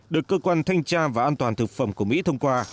được cơ quan thanh tra và an toàn thực phẩm của mỹ thông qua